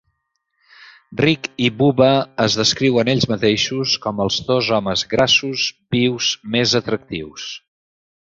Rick i Bubba es descriuen ells mateixos com els dos homes grassos vius més atractius.